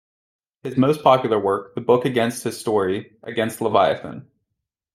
His most popular work, the book Against His-Story, Against Leviathan!